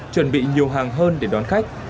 chuẩn bị nhiều hàng hơn để đón khách